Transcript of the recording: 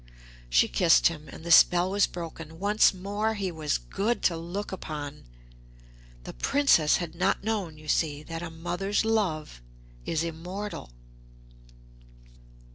She kissed him, and the spell was broken; once more he was good to look upon.... The Princess had not known, you see, that a mother's love is immortal."